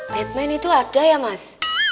batman itu ada ya mas